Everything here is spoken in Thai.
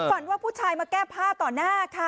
ว่าผู้ชายมาแก้ผ้าต่อหน้าค่ะ